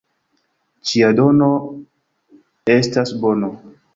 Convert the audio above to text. Ĉia dono estas bono.